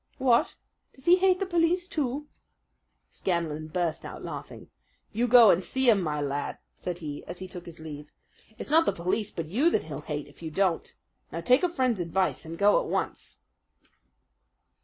"What, does he hate the police too?" Scanlan burst out laughing. "You go and see him, my lad," said he as he took his leave. "It's not the police but you that he'll hate if you don't! Now, take a friend's advice and go at once!"